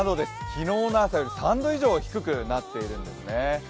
昨日の朝より３度以上低くなっているんですね。